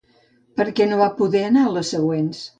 Per què no va poder anar a les següents?